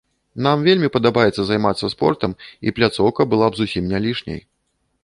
Нам вельмі падабаецца займацца спортам, і пляцоўка была б зусім не лішняй.